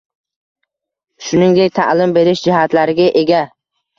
shuningdek taʼlim berish jihatlariga ega.